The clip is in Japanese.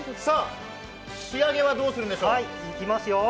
仕上げはどうするんでしょう？